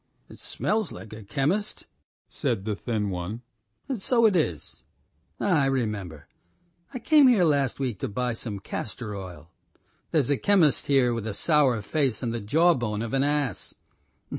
"It smells like a chemist's," said the thin one. "And so it is! Ah, I remember. ... I came here last week to buy some castor oil. There's a chemist here with a sour face and the jawbone of an ass!